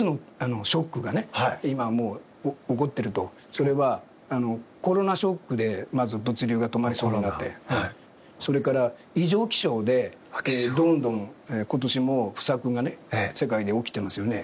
それはコロナショックでまず物流が止まることになってそれから異常気象でどんどん今年も不作が世界で起きてますよね。